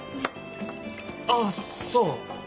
ああそう。